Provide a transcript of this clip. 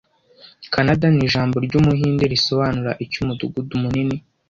Kanada nijambo ryumuhinde risobanura icyo Umudugudu munini